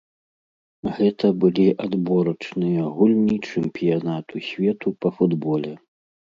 Гэта былі адборачныя гульні чэмпіянату свету па футболе.